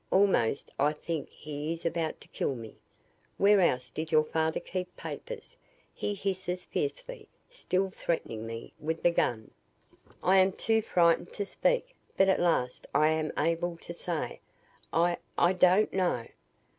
Almost I think he is about to kill me. 'Where else did your father keep papers?' he hisses fiercely, still threatening me with the gun. "I am too frightened to speak. But at last I am able to say, 'I I don't know!'